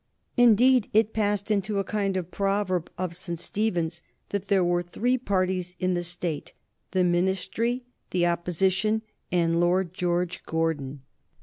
Indeed, it passed into a kind of proverb at St. Stephen's that there were three parties in the State the Ministry, the Opposition, and Lord George Gordon.